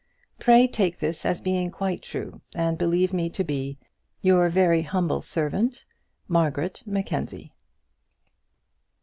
Pray take this as being quite true, and believe me to be Your very humble servant, MARGARET MACKENZIE.